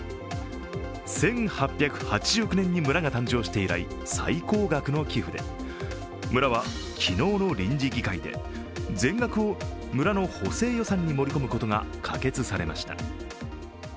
１８８９年に村が誕生して以来、最高額の寄付で村は昨日の臨時議会で全額を村の補正予算に盛り込むことが可決されました。